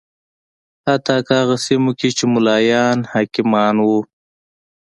حتی هغه سیمو کې چې ملایان حاکمان و